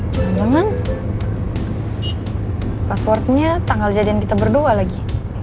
jangan jangan passwordnya tanggal jajan kita berdua lagi